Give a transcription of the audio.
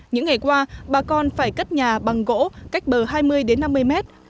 những ngày qua bà con phải cất nhà bằng gỗ cách bờ hai mươi năm mươi mét